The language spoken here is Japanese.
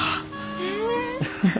へえ！